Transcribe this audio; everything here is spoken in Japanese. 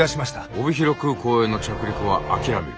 帯広空港への着陸は諦める。